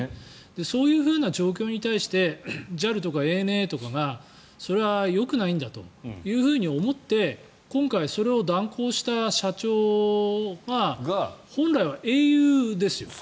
そういう状況に対してＪＡＬとかＡＮＡとかがそれはよくないんだというふうに思って今回、それを断行した社長が本来は英雄ですよ。